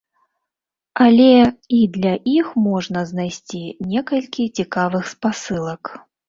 Але і для іх можна знайсці некалькі цікавых спасылак.